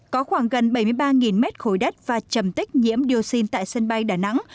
có khoảng gần bảy mươi ba mét khối đất và chầm tích nhiễm dioxin tại sân bay đà nẵng